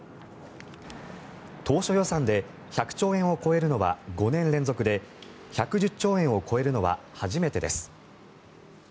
当初予算で１００兆円を超えるのは５年連続で１１０兆円を超えるのは初めてです。